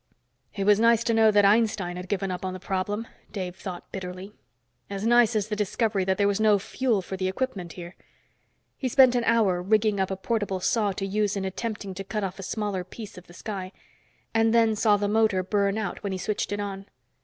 It was nice to know that Einstein had given up on the problem, Dave thought bitterly. As nice as the discovery that there was no fuel for the equipment here. He spent an hour rigging up a portable saw to use in attempting to cut off a smaller piece of the sky, and then saw the motor burn out when he switched it on.